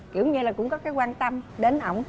kiểu như là cũng có cái quan tâm đến ổn